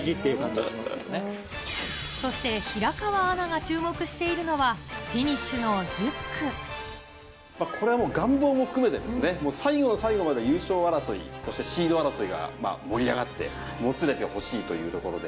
そして平川アナが注目していこれはもう願望も含めてですね、もう最後の最後まで優勝争い、そしてシード争いが盛り上がって、もつれてほしいというところで。